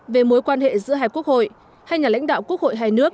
về mối quan hệ giữa hai quốc hội hai nhà lãnh đạo quốc hội hai nước